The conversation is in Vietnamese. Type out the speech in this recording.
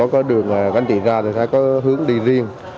có đường gắn chỉ ra có hướng đi riêng